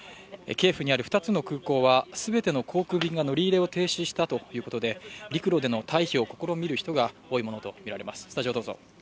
キエフにある２つの空港は、全ての航空便が乗り入れを停止したということで、陸路での退避を試みる人が多いものと思われます。